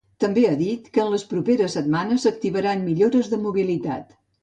També ha dit que en les properes setmanes s’activaran millores de mobilitat.